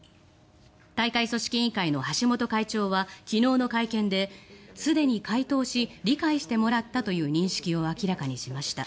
大会組織委員会の橋本会長は昨日の会見ですでに回答し理解してもらったという認識を明らかにしました。